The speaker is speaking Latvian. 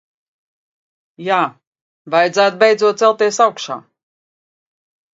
Jā, vajadzētu beidzot celties augšā.